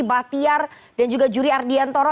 bahtiar dan juga juri ardian toro